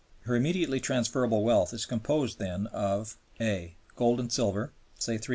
Her immediately transferable wealth is composed, then, of (a) Gold and silver say $300,000,000.